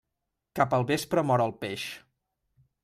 Cap al vespre mor el peix.